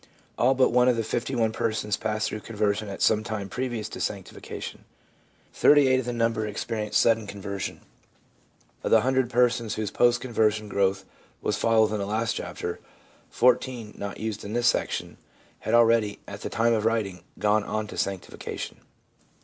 All but one of the 51 persons passed through conversion at some time previous to sanctification ; 38 of the number experienced sudden conversion. Of the 100 persons whose post conversion growth was followed in the last chapter, 14 (not used in this section) had already, at the time of writing, gone on to sanctification.